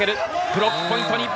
ブロックポイント日本。